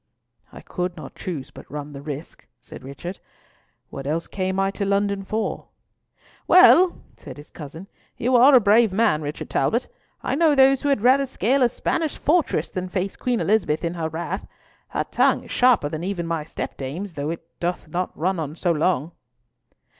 "I could not choose but run the risk," said Richard. "What else came I to London for?" "Well," said his cousin, "you are a brave man, Richard Talbot. I know those who had rather scale a Spanish fortress than face Queen Elizabeth in her wrath. Her tongue is sharper than even my stepdame's, though it doth not run on so long."